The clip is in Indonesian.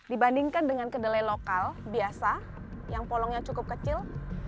dibandingkan dengan kedelai lokal biasa yang polongnya cukup kecil